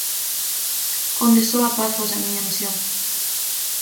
Onde só a paz fose a miña misión.